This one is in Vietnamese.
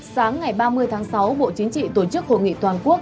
sáng ngày ba mươi tháng sáu bộ chính trị tổ chức hội nghị toàn quốc